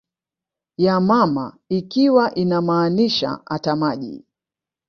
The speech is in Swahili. ya mama ikiwa inamaanisha ata maji